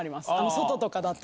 外とかだと。